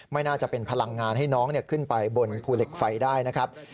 ไม่น่าจะเป็นพลังงานให้น้องขึ้นไปบนภูเหล็กไฟได้นะครับ